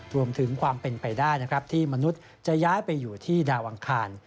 รวมถึงความเป็นไปได้นะครับที่มนุษย์จะย้ายไปอยู่ที่ดาวอังคาร